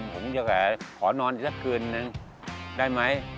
ผมจะขอนอนอีกสักคืนนึงได้ไหม